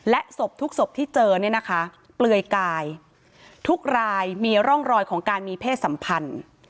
ศพทุกศพที่เจอเนี่ยนะคะเปลือยกายทุกรายมีร่องรอยของการมีเพศสัมพันธ์